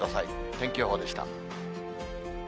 天気予報でした。